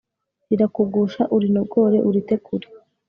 rikakugusha, urinogore urite kure